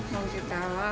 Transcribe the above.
berpikir ke depan ya